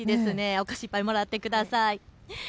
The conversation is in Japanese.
お菓子いっぱいもらってください。